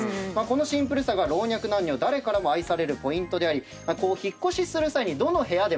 このシンプルさが老若男女誰からも愛されるポイントであり引っ越しする際にどの部屋でも合うというところも。